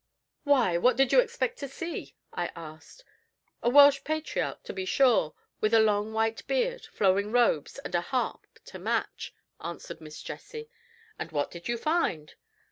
"Why, what did you expect to see?" I asked. "A Welsh patriarch, to be sure, with a long white beard, flowing robes, and a harp to match," answered Miss Jessie. "And what did you find?"